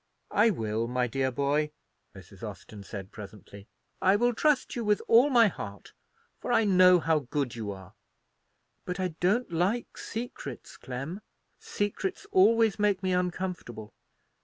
"I will, my dear boy," Mrs. Austin said, presently. "I will trust you with all my heart; for I know how good you are. But I don't like secrets, Clem; secrets always make me uncomfortable."